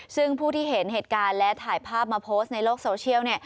ซึ่งผู้ที่เห็นเหตุการณ์และถ่ายภาพมาโพสต์ในโลกโซเชียลเนี่ย